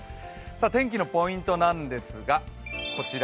天気のポイントなんですが、こちら。